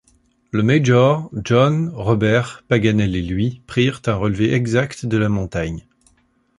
Le major, John, Robert, Paganel et lui prirent un relevé exact de la montagne.